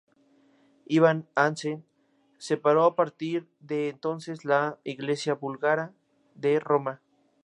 Iván Asen separó a partir de entonces la Iglesia búlgara de Roma.